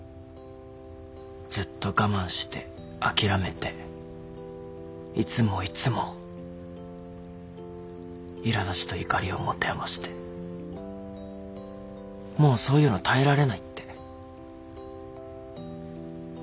ずっと我慢して諦めていつもいつもいら立ちと怒りを持て余してもうそういうの耐えられないって。